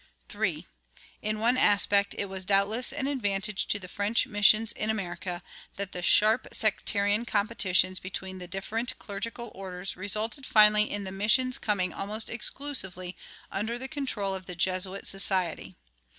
3. In one aspect it was doubtless an advantage to the French missions in America that the sharp sectarian competitions between the different clerical orders resulted finally in the missions coming almost exclusively under the control of the Jesuit society.